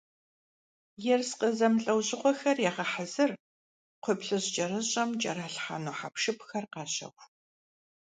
Ерыскъы зэмылӀэужьыгъуэхэр ягъэхьэзыр, кхъуейплъыжькӀэрыщӀэм кӀэралъхьэну хьэпшыпхэр къащэху.